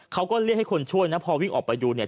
เขาก็เรียกให้คนช่วยนะพอวิ่งออกไปดูเนี่ย